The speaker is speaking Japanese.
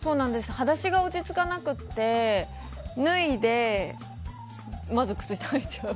裸足が落ち着かなくて脱いで、まず靴下はいちゃう。